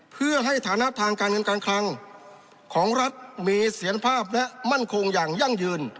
เพื่อให้ฐานะทางการเงินการคลังของรัฐมีเสียรภาพและมั่นคงอย่างยั่งยืน